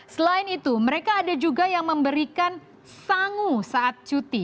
selain itu mereka ada juga yang memberikan sangu saat cuti